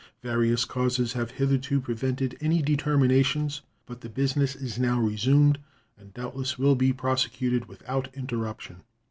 Various causes have hitherto prevented any determinations, but the business is now resumed, and doubtless will be prosecuted without interruption.